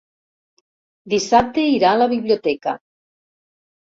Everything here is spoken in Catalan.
Dissabte irà a la biblioteca.